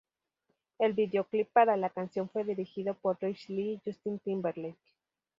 El videoclip para la canción fue dirigido por Rich Lee y Justin Timberlake.